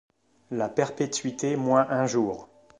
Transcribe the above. La perpétuité moins un jour ?